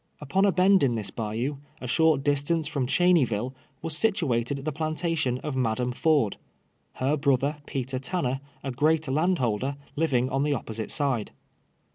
Uj>on a bend in this liayon, a short distance from Cheney ville. was situate<l the plantation of ^ladam Ford — her brother, Peter Tanner, a great landholder, living on the op])osite side.